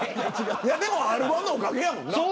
でもＲ‐１のおかげやもんな。